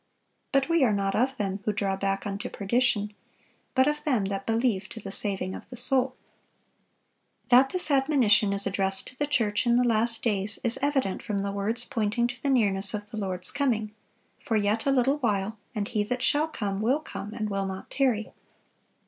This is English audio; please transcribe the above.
But we are not of them who draw back unto perdition; but of them that believe to the saving of the soul."(666) That this admonition is addressed to the church in the last days is evident from the words pointing to the nearness of the Lord's coming: "For yet a little while, and He that shall come will come, and will not tarry."